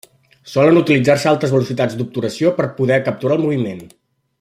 Solen utilitzar-se altes velocitats d'obturació per poder capturar el moviment.